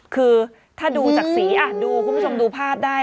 คือถ้าดูจากสีดูคุณผู้ชมดูภาพได้